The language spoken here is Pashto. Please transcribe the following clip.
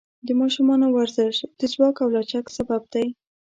د ماشومانو ورزش د ځواک او لچک سبب دی.